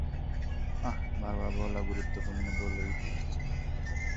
আহ, বারবার বলা গুরুত্বপূর্ণ বলেই বলেছি।